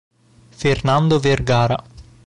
Fernando Vergara